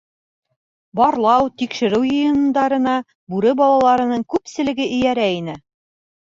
Барлау-тикшереү йыйындарына бүре балаларының күпселеге эйәрә ине.